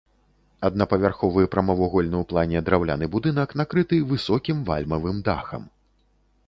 Аднапавярховы прамавугольны ў плане драўляны будынак накрыты высокім вальмавым дахам.